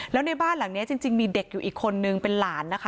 แล้วในบ้านหลังนี้จริงมีเด็กอยู่อีกคนนึงเป็นหลานนะคะ